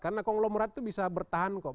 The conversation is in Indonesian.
karena konglomerat itu bisa bertahan kok